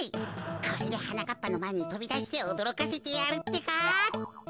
これではなかっぱのまえにとびだしておどろかせてやるってか。